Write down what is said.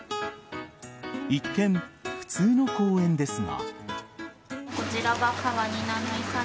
一見、普通の公園ですが。